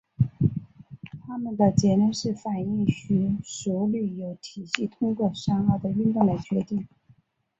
他们的结论是反应速率由体系通过山坳的运动来决定。